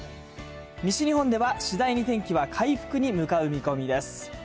西日本では次第に天気は回復に向かう見込みです。